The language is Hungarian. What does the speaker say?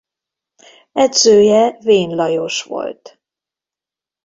Edzője Vén Lajos volt.